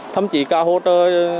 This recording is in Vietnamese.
thậm chí cả hỗ trợ